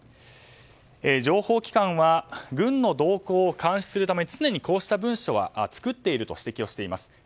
情報機関は軍の動向を監視するため常にこうした文書は作っていると指摘をしています。